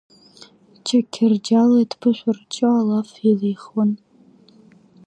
Чақырџьалы дԥышәырччо алаф илихуан.